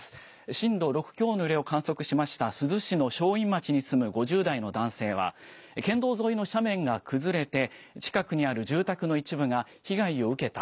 震度６強の揺れを観測しました、珠洲市の正院町に住む５０代の男性は、県道沿いの斜面が崩れて、近くにある住宅の一部が被害を受けた。